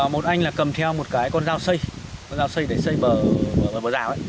một anh là cầm theo một cái con dao xây con dao xây để xây bờ rào